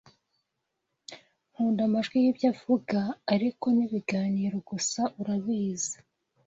Nkunda amajwi y'ibyo avuga, ariko ni ibiganiro gusa, urabizi.